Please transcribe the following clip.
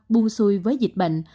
buông xuôi với dịch bệnh